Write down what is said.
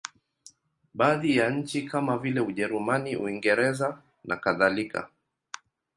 Baadhi ya nchi kama vile Ujerumani, Uingereza nakadhalika.